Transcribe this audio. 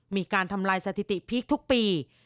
มีการทำลายสถิติพีคทุกปี